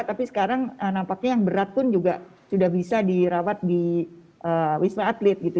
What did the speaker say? tapi sekarang nampaknya yang berat pun juga sudah bisa dirawat di wisma atlet gitu